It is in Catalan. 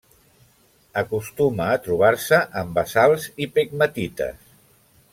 Acostuma a trobar-se en basalts i pegmatites.